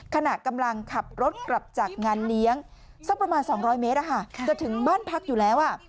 ขณะกำลังขับรถกลับจากงานเลี้ยงสักประมาณ๒๐๐เมตรจะถึงบ้านพักอยู่แล้ว